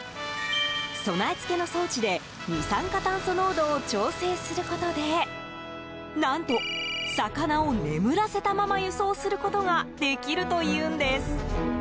備え付けの装置で二酸化炭素濃度を調整することで何と、魚を眠らせたまま輸送することができるというんです。